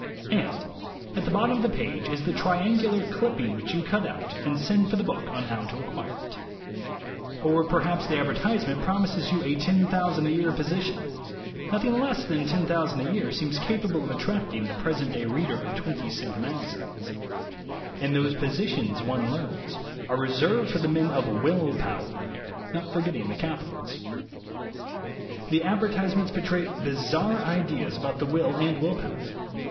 And at the bottom of the page is the triangular clipping which you cut out and send for the book on how to acquire it. Or perhaps the advertisement promises you a $10,000 a year position. Nothing less than $10,000 a year seems capable of attracting the present day reader of twenty cent magazines. And those posi tions, one learns, are reserved for the men of Will Power (not forgetting the capitals). The advertisements betray bizarre ideas about the will and will power.